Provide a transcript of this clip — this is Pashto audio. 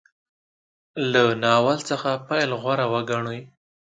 له ناول څخه پیل غوره وګڼي.